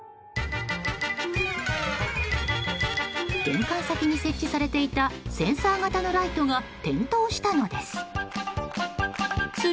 玄関先に設置されていたセンサー型のライトが点灯したのです。